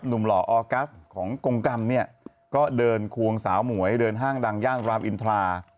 หล่อออกัสของกรงกรรมเนี่ยก็เดินควงสาวหมวยเดินห้างดังย่านรามอินทรา